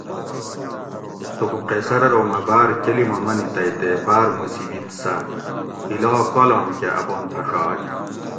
تھوکو قیصر ارو مہ باۤر کلمہ منی تئ تے باۤر مصیبت سہ ھِلا کالام کہ اپان پھڛاگ